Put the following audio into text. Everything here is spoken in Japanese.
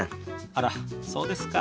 あらっそうですか。